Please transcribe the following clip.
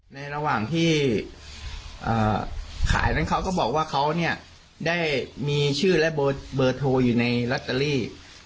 ในระหว่างที่ขายนั้นเขาก็บอกว่าเขาเนี่ยได้มีชื่อและเบอร์โทรอยู่ในลอตเตอรี่